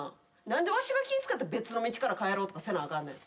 何でわしが気ぃ使って別の道から帰ろうとかせなあかんねん。